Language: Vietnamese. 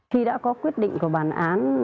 khi đã có quyết định của bản án